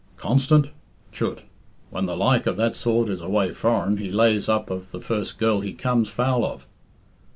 Constant? Chut! When the like of that sort is away foreign, he lays up of the first girl he comes foul of."